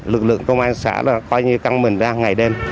lực lượng công an xã là coi như căng mình ra ngày đêm